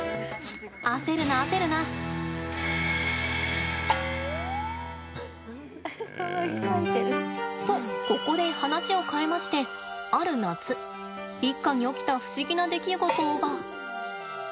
焦るな、焦るな。と、ここで話を変えましてある夏、一家に起きた不思議な出来事をば。